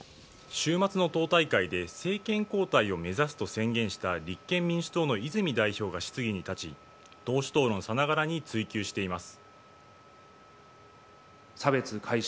週末の党大会で政権交代を目指すと宣言した立憲民主党の泉代表が質疑に立ち党首討論さながらに追及しています。